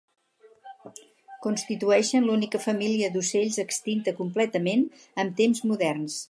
Constitueixen l'única família d'ocells extinta completament en temps moderns.